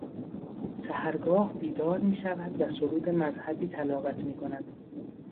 سحرگاه بیدار میشود و سرود مذهبی تلاوت میکند.